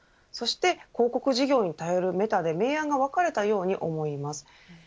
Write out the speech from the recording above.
そして広告事業に頼るメタで明暗が分かれたように思います。